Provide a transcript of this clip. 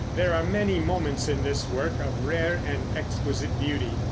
There are many moments in this work of rare and exquisite beauty.